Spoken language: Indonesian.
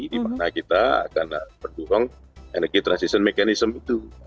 dimana kita akan mendorong energy transition mechanism itu